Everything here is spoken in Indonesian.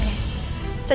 harus udah mereka mau